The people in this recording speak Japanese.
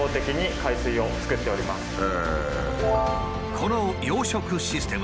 この養殖システム